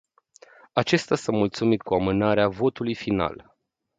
Acesta s-a mulțumit cu amânarea votului final.